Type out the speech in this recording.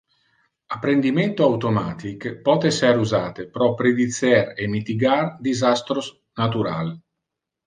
Apprendimento automatic pote ser usate pro predicer e mitigar disastros natural.